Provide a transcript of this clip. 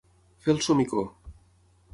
Fer el somicó.